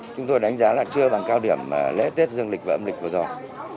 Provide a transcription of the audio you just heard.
chúng tôi đánh giá là chưa bằng cao điểm lễ tết dương lịch và âm lịch vừa rồi